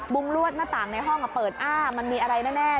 ลวดหน้าต่างในห้องเปิดอ้ามันมีอะไรแน่